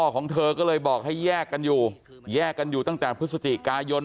ของเธอก็เลยบอกให้แยกกันอยู่แยกกันอยู่ตั้งแต่พฤศจิกายน